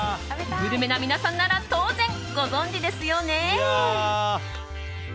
グルメな皆さんなら当然ご存知ですよね？